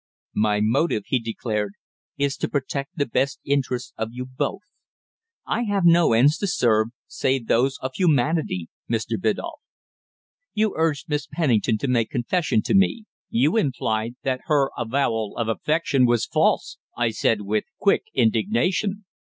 "My motive," he declared, "is to protect the best interests of you both. I have no ends to serve, save those of humanity, Mr. Biddulph." "You urged Miss Pennington to make confession to me. You implied that her avowal of affection was false," I said, with quick indignation.